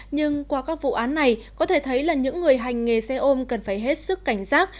nhưng qua các vụ án này có thể thấy là những người hành nghề xe ôm cần phải hết sức cảnh giác